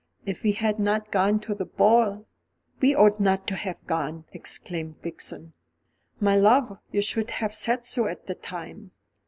If we had not gone to the ball " "We ought not to have gone," exclaimed Vixen. "My love, you should have said so at the time."